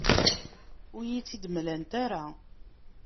Ur iyi-tt-id-mlant ara.